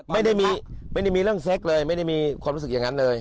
ไม่ได้มีเรื่องเซ็กเลยไม่ได้มีความรู้สึกอย่างนั้นเลย